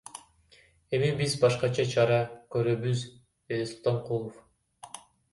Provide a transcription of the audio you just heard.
Эми биз башкача чара көрөбүз, — деди Султанкулов.